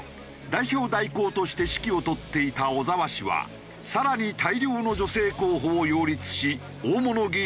代表代行として指揮を執っていた小沢氏は更に大量の女性候補を擁立し大物議員と対峙。